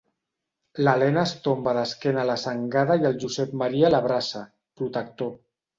L'Elena es tomba d'esquena a la sangada i el Josep Maria l'abraça, protector.